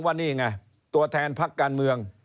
ว่านี่ไงตัวแทนพักการเมือง